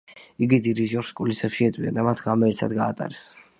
იგი დირიჟორს კულისებში ეწვია და მათ ღამე ერთად გაატარეს.